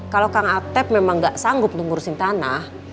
kalau kang ateb memang gak sanggup nunggu ngurusin tanah